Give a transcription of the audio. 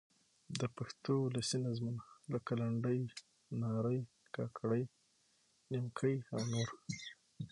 د پښتو اولسي نظمونه؛ لکه: لنډۍ، نارې، کاکړۍ، نیمکۍ او نور.